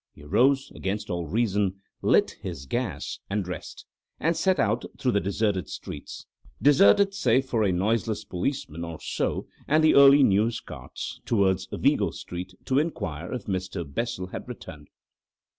He arose, against all reason, lit his gas, and dressed, and set out through the deserted streets—deserted, save for a noiseless policeman or so and the early news carts—towards Vigo Street to inquire if Mr. Bessel had returned.